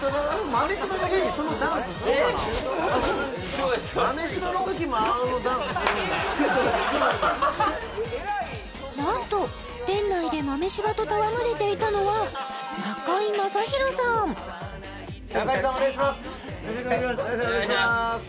豆柴の芸にそんなダンスするかななんと店内で豆柴とたわむれていたのは中居正広さん・お願いします